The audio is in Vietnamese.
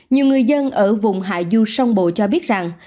nhiều người dân ở vùng hạ du sông bộ cho biết rằng